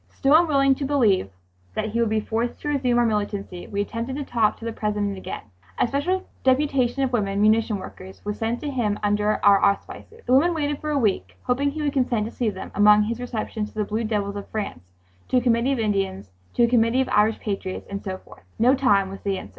Still unwilling to believe that we would be forced to resume our militancy we attempted to talk to the President again A special deputation of women munition workers was sent to him under our auspices. The women waited for a week, hoping he would consent to see them among his receptions—to the Blue Devils of France, to a Committee of Indians, to a Committee of Irish Patriots, and so forth. "No time," was the answer.